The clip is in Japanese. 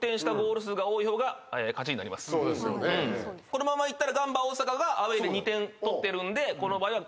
このままいったらガンバ大阪がアウェーで２点取ってるんでこの場合は。